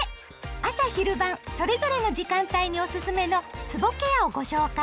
朝・昼・晩それぞれの時間帯におすすめのつぼケアをご紹介。